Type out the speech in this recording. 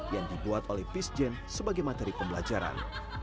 yang dibuat oleh peacegen sebagai materi pembelajaran